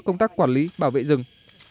công tác quản lý bảo vệ rừng